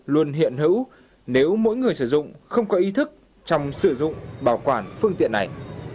luôn hiện hữu nếu mỗi người sử dụng không có ý thức trong sử dụng bảo quản phương tiện này